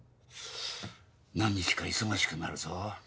何日か忙しくなるぞ。